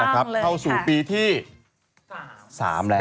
เข้าสู่ปีที่๓แล้ว